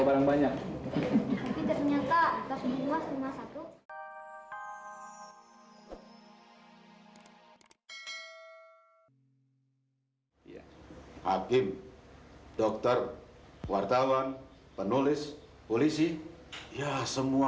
banyak banyak tapi ternyata kita semua cuma satu ya hakim dokter wartawan penulis polisi ya semua